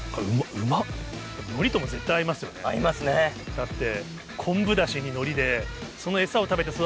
だって。